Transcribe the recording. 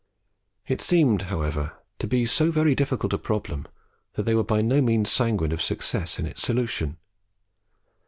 It seemed, however, to be so very difficult a problem, that they were by no means sanguine of success in its solution.